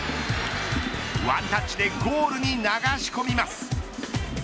ワンタッチでゴールに流し込みます。